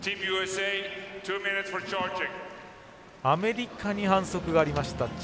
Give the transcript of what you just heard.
アメリカに反則がありました。